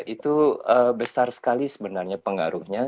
itu besar sekali sebenarnya pengaruhnya